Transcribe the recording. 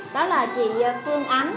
đó là chị phương ánh